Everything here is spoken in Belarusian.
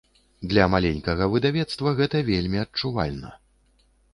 Для маленькага выдавецтва гэта вельмі адчувальна.